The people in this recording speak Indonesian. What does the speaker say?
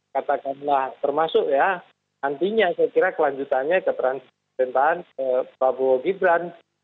katakanlah termasuk ya nantinya saya kira kelanjutannya keterangan pemerintahan prabowo gibran